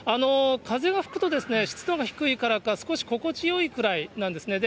風が吹くと、湿度が低いからか、少し心地よいくらいなんですね。